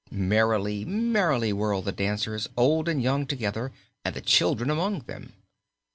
Merrily, merrily whirled the dancers, old and young together, and the children among them.